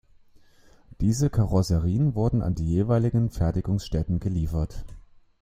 Diese Karosserien wurden an die jeweiligen Fertigungsstätten geliefert.